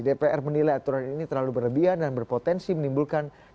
dpr menilai aturan ini terlalu berlebihan dan berpotensi menimbulkan